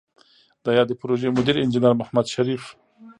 د یادې پروژې مدیر انجنیر محمد شریف